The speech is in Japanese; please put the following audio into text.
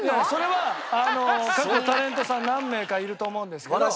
それは過去タレントさん何名かいると思うんですけど。